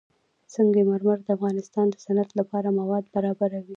سنگ مرمر د افغانستان د صنعت لپاره مواد برابروي.